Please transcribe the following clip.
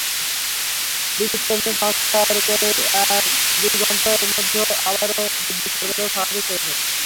বিদ্যুৎকর্মীরা সংস্কার করে এক-দুই ঘণ্টার মধ্যে আবারও বিদ্যুৎ সরবরাহ স্বাভাবিক করছেন।